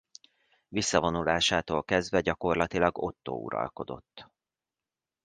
Visszavonulásától kezdve gyakorlatilag Ottó uralkodott.